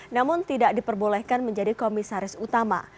namun tidak diperbolehkan menjadi komisaris utama